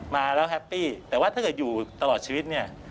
มาแล้วแฮปปี้แต่ว่าถ้าเกิดอยู่ตลอดชีวิตเนี่ย